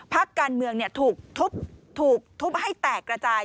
พักการเมืองถูกทุบให้แตกกระจาย